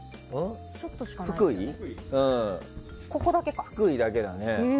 福井だけだね。